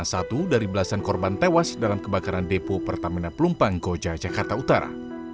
satu dari belasan korban tewas dalam kebakaran depo pertamina pelumpang koja jakarta utara